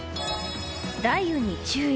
雷雨に注意。